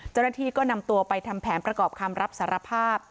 เจ้าหน้าที่ก็นำตัวไปทำแผนประกอบคำรับสารภาพ